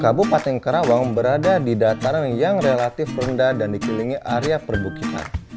kabupaten karawang berada di dataran yang relatif rendah dan dikelilingi area perbukitan